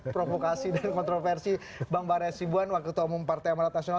provokasi dan kontroversi bang bara sibuan wakil ketua umum partai amarat nasional